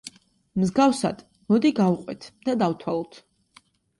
მსგავსად, მოდი გავყვეთ და დავთვალოთ.